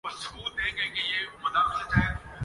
پس منظر